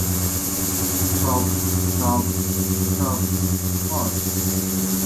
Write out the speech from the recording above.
Throb, throb, throb, pause.